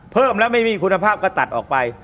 เพิ่มแล้วไม่มีคุณภาพก็ตัดออกไป